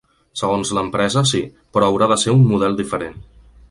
Segons l’empresa, sí, però haurà de ser un model diferent.